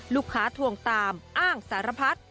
ลูกค้าทวงตามอ้างสารพัด